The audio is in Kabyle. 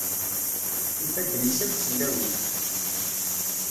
Ifadden-is akk sellawit.